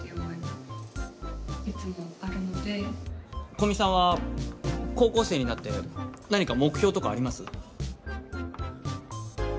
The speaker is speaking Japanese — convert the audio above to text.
古見さんは高校生になって何か目標とかあります？